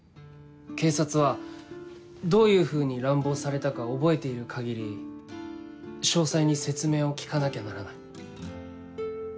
警察はどういうふうに乱暴されたか覚えている限り詳細に説明を聞かなきゃならない。